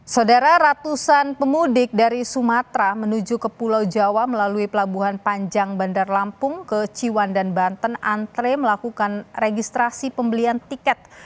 saudara ratusan pemudik dari sumatera menuju ke pulau jawa melalui pelabuhan panjang bandar lampung ke ciwan dan banten antre melakukan registrasi pembelian tiket